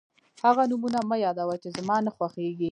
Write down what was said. هغه نومونه مه یادوه چې زما نه خوښېږي.